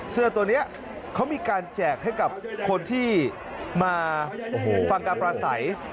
เสื้อตัวนี้เขามีการแจกให้กับคนที่มาฟังการปราศัย